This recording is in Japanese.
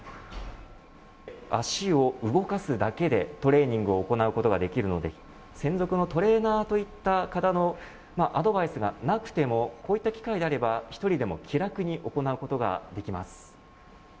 足を動かすだけでトレーニングを行うことができるので専属のトレーナーといった方のアドバイスがなくてもこういった器械であれば１人でも気楽に行うことができます。